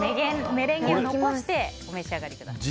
メレンゲを残してお召し上がりください。